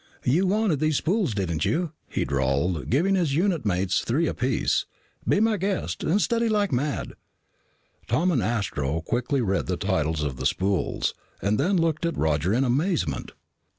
"You wanted these study spools, didn't you?" he drawled, giving his unit mates three apiece. "Be my guest and study like mad." Tom and Astro quickly read the titles of the spools and then looked at Roger in amazement.